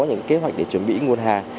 những kế hoạch để chuẩn bị nguồn hàng